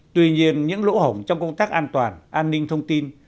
tuy nhiên những lỗ hổng trong công tác an toàn an ninh thông tin